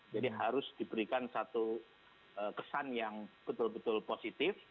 jadi harus diberikan satu kesan yang betul betul positif